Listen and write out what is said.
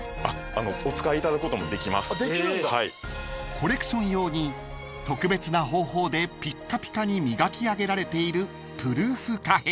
［コレクション用に特別な方法でピッカピカに磨き上げられているプルーフ貨幣］